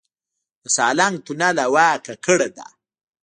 د سالنګ تونل هوا ککړه ده